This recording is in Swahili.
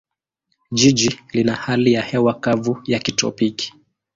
Jiji lina hali ya hewa kavu ya kitropiki.